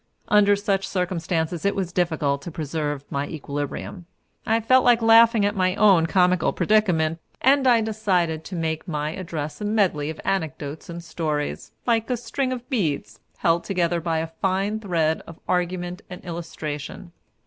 Under such circumstances it was difficult to preserve my equilibrium. I felt like laughing at my own comical predicament, and I decided to make my address a medley of anecdotes and stories, like a string of beads, held together by a fine thread of argument and illustration.